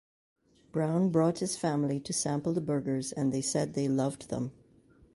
Brown brought his family to sample the burgers and they said they loved them.